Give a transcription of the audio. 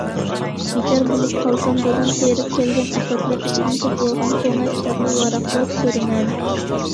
بىكار بولۇپ قالسام دادام تېرىپ كەلگەن ئەخلەتلەر ئىچىدىن تېپىۋالغان كونا كىتابنى ۋاراقلاپ كۆرىمەن.